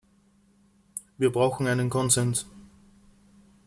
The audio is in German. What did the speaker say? Wir brauchen einen Konsens.